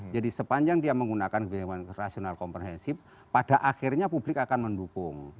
jadi sepanjang dia menggunakan kebijakan rasional komprehensif pada akhirnya publik akan mendukung